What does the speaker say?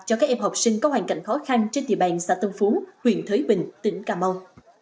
cho các em học sinh có hoàn cảnh khó khăn trên địa bàn xã tân phú huyện thới bình tỉnh cà mau